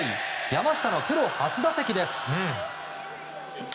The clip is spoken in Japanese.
山下のプロ初打席です。